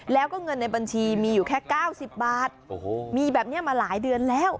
แล้วก็เงินในบัญชีมีอยู่แค่๙๐บาทโอ้โหมีแบบนี้มาหลายเดือนแล้ว